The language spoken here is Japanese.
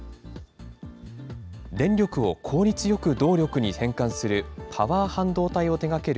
電力を効率よく動力に変換するパワー半導体を手がける